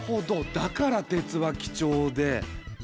だから鉄は貴重で。